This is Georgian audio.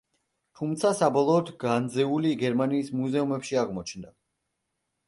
თუმცა, საბოლოოდ განძეული გერმანიის მუზეუმებში აღმოჩნდა.